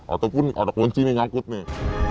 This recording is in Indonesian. ataupun ada kunci nih ngakut nih